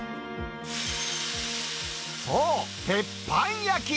そう、鉄板焼き。